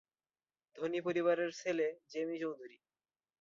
ধনী পরিবারের ছেলে জেমি চৌধুরী।